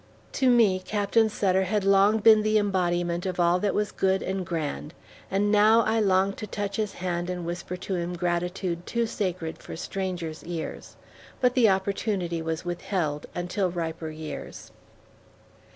To me, Captain Sutter had long been the embodiment of all that was good and grand; and now I longed to touch his hand and whisper to him gratitude too sacred for strangers' ears. But the opportunity was withheld until riper years.